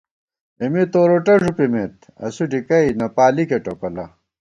اېمے توروٹہ ݫُپِمېت ، اسُو ڈِکئی نہ پالِیکے ٹوپلا